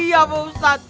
iya pak ustadz